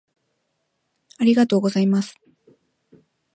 ありがとうございます。